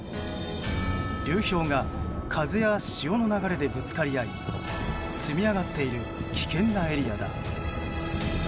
流氷が風や潮の流れでぶつかり合い積み上がっている危険なエリアだ。